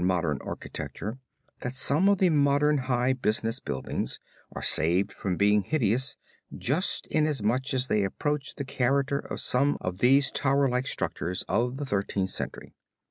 It is a curious reflection on modern architecture, that some of the modern high business buildings are saved from being hideous just in as much as they approach the character of some of these tower like structures of the Thirteenth Century.